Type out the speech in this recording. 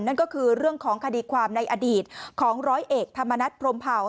นั่นก็คือเรื่องของคดีความในอดีตของร้อยเอกธรรมนัฐพรมเผา